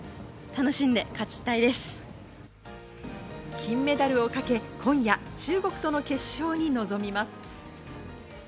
金メダルをかけ、今夜、中国との決勝に臨みます。